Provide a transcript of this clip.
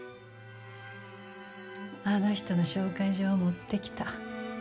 あの人の紹介状を持ってきた。